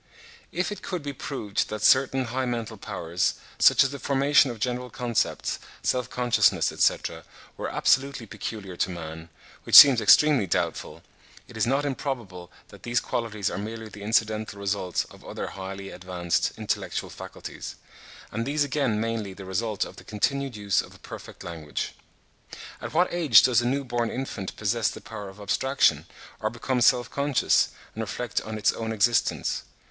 If it could be proved that certain high mental powers, such as the formation of general concepts, self consciousness, etc., were absolutely peculiar to man, which seems extremely doubtful, it is not improbable that these qualities are merely the incidental results of other highly advanced intellectual faculties; and these again mainly the result of the continued use of a perfect language. At what age does the new born infant possess the power of abstraction, or become self conscious, and reflect on its own existence?